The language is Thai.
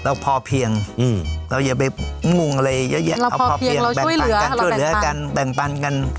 เราพอเพียงอืมเราอย่าไปงงอะไรเยอะแยะเราพอเพียงเราช่วยเหลือเราแบ่งปันกันแบ่งปันกัน